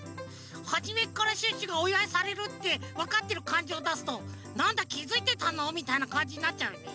はじめからシュッシュがおいわいされるってわかってるかんじをだすと「なんだきづいてたの」みたいなかんじになっちゃうよね。